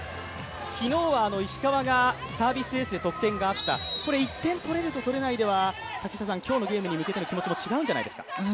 昨日は石川がサービスエースで得点があった、１点取れると取れないでは今日のゲームに向けての気持ちも違うんじゃないですか？